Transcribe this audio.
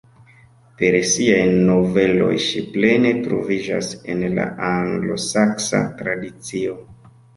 Per siaj noveloj ŝi plene troviĝas en la anglosaksa tradicio.